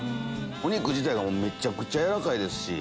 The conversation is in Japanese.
お肉自体がめちゃくちゃ軟らかいですし。